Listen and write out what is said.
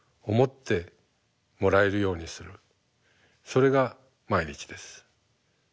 それが毎日です。